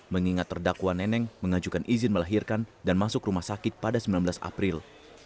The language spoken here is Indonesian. mengingat terdakwa neneng mengajukan izin melahirkan dan masuk rumah sakit pada sembilan belas april